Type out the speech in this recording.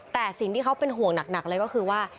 แต่สิ่งที่เขาเป็นห่วงหนักเลยก็คือว่า